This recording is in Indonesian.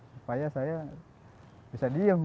supaya saya bisa diem